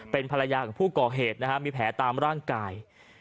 เป็นภรรยาของผู้ก่อเหตุนะฮะมีแผลตามร่างกาย